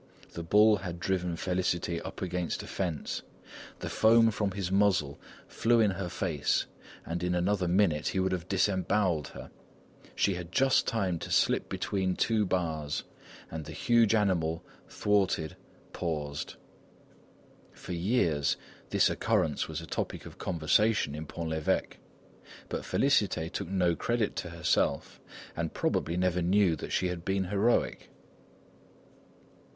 The bull had driven Félicité up against a fence; the foam from his muzzle flew in her face and in another minute he would have disembowelled her. She had just time to slip between two bars and the huge animal, thwarted, paused. For years, this occurrence was a topic of conversation in Pont l'Evêque. But Félicité took no credit to herself, and probably never knew that she had been heroic.